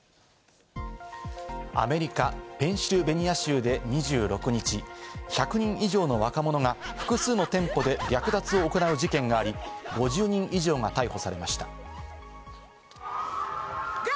アメリカ・ペンシルベニア州で２６日、１００人以上の若者が複数の店舗で略奪を行う事件があり、５０人以上が逮捕されました。